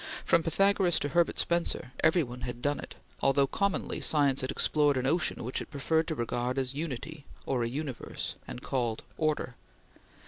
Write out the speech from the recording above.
From Pythagoras to Herbert Spencer, every one had done it, although commonly science had explored an ocean which it preferred to regard as Unity or a Universe, and called Order.